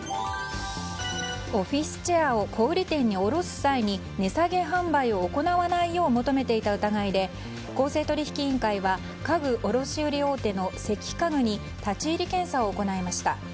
オフィスチェアを小売店に卸す際に値下げ販売を行わないよう求めていた問題で公正取引委員会は家具卸売り大手の関家具に立ち入り検査を行いました。